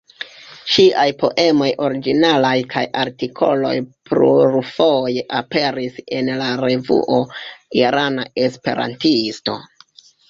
Ŝiaj poemoj originalaj kaj artikoloj plurfoje aperis en la revuo "Irana Esperantisto".